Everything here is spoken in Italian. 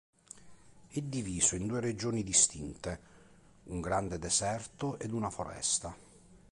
È diviso in due regioni distinte, un grande deserto ed una foresta.